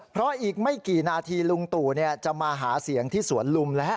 เพราะอีกไม่กี่นาทีลุงตู่จะมาหาเสียงที่สวนลุมแล้ว